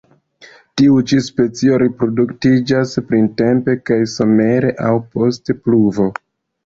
Tiu ĉi specio reproduktiĝas printempe kaj somere aŭ post pluvo.